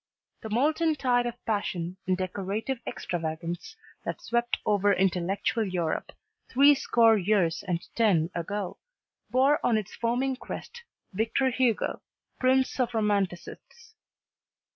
The molten tide of passion and decorative extravagance that swept over intellectual Europe three score years and ten ago, bore on its foaming crest Victor Hugo, prince of romanticists.